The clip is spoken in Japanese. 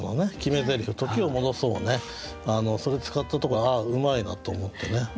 「時を戻そう」をねそれ使ったとこあっうまいなと思ってね。